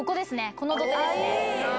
この土手ですね。